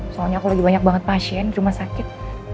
soalnya aku lagi banyak banget pasien di rumah sakit